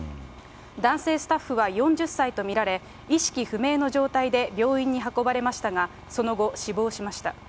男性スタッフは４０歳と見られ、意識不明の状態で病院に運ばれましたが、その後、死亡しました。